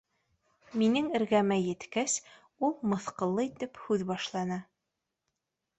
Минең эргәмә еткәс, ул мыҫҡыллы итеп һүҙ башланы: